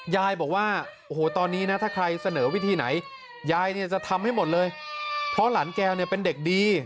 ยายบอกว่าโอ้โหตอนนี้นะถ้าใครเสนอวิธีไหนยายเนี่ยจะทำให้หมดเลยเพราะหลานแก้วเนี่ยเป็นเด็กดี